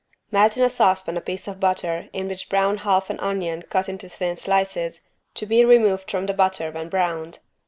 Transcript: Melt in a saucepan a piece of butter in which brown half an onion cut into thin slices, to be removed from the butter when browned.